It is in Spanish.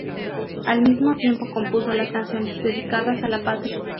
Al mismo tiempo compuso las canciones, dedicadas a la Patria.